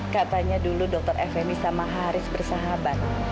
katanya dulu dokter fmi sama haris bersahabat